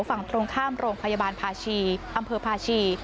ฝั่งตรงข้ามโรงพยาบาลภาชีอำเภอพาชี